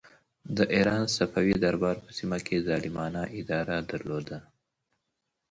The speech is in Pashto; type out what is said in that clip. د ایران صفوي دربار په سیمه کې ظالمانه اداره درلوده.